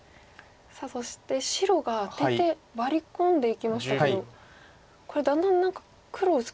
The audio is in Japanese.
さあそして白が出てワリ込んでいきましたけどこれだんだん何か黒薄くなってきましたね。